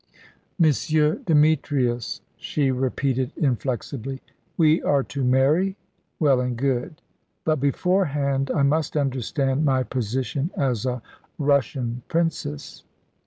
"M. Demetrius," she repeated inflexibly. "We are to marry, well and good; but beforehand, I must understand my position as a Russian princess."